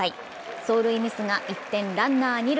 走塁ミスが一転、ランナー二塁。